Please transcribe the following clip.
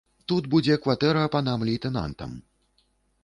Тут будзе кватэра панам лейтэнантам.